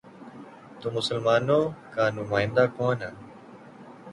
تو مسلمانوں کا نمائندہ کون ہے؟